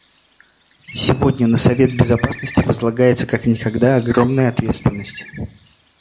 Сегодня на Совет Безопасности возлагается как никогда огромная ответственность.